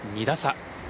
２打差。